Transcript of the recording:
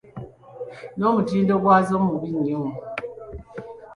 N’omutindo gwazo mubi nnyo.